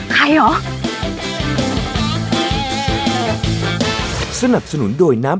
ใครเหรอ